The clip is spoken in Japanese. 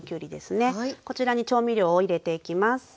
こちらに調味料を入れていきます。